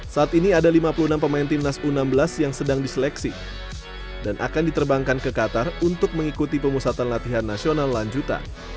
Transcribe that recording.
saat ini ada lima puluh enam pemain timnas u enam belas yang sedang diseleksi dan akan diterbangkan ke qatar untuk mengikuti pemusatan latihan nasional lanjutan